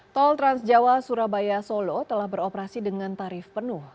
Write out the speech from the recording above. tol transjawa surabaya solo telah beroperasi dengan tarif penuh